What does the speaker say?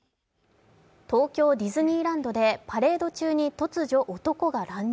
東京ディズニーランドでパレード中に突如、男が乱入。